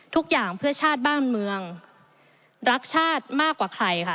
ทุกอย่างเพื่อชาติบ้านเมืองรักชาติมากกว่าใครค่ะ